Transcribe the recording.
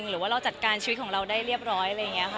หรือเราจะจัดการชีวิตของเราได้เรียบร้อย